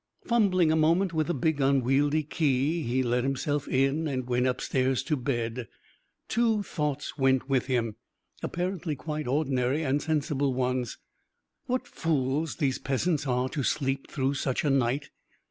Fumbling a moment with the big unwieldy key, he let himself in and went upstairs to bed. Two thoughts went with him apparently quite ordinary and sensible ones: "What fools these peasants are to sleep through such a night!"